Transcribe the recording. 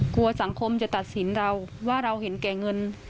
กลัวสังคมจะตัดสินเราว่าเราเห็นแก่เงิน